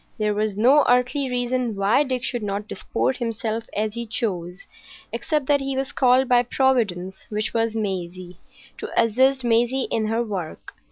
There was no earthly reason why Dick should not disport himself as he chose, except that he was called by Providence, which was Maisie, to assist Maisie in her work.